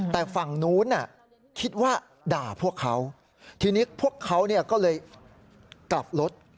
แต่ฝั่งนู้นคิดว่าด่าพวกเขาทีนี้พวกเขาก็เลยกลับรถ